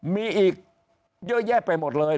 มีอีกเยอะแยะไปหมดเลย